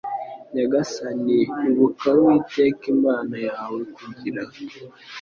nyagasani ibuka uwiteka imana yawe kugira